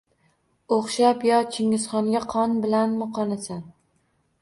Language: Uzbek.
Oʼxshab yo Chingizxonga qon bilanmi qonasan.